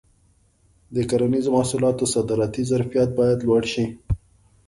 د کرنیزو محصولاتو صادراتي ظرفیت باید لوړ شي.